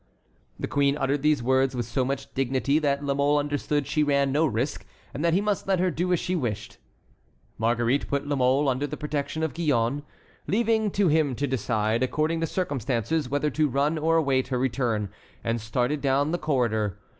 The queen uttered these words with so much dignity that La Mole understood she ran no risk, and that he must let her do as she wished. Marguerite put La Mole under the protection of Gillonne, leaving to him to decide, according to circumstances, whether to run or await her return, and started down the corridor.